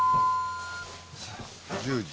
１０時。